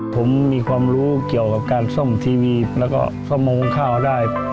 ผมมีความรู้เกี่ยวกับการซ่อมทีวีแล้วก็ประมงข้าวได้